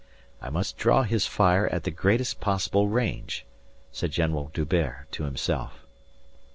"I must draw his fire at the greatest possible range," said General D'Hubert to himself.